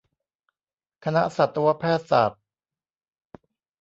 คณะสัตวแพทย์ศาสตร์